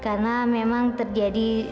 karena memang terjadi